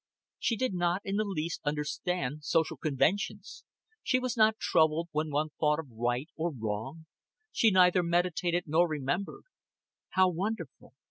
She did not in the least understand social conventions. She was not troubled with one thought of right or wrong; she neither meditated nor remembered. How wonderful.